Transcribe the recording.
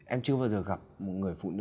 em chưa bao giờ gặp một người phụ nữ